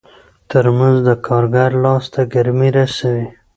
ترموز د کارګر لاس ته ګرمي رسوي.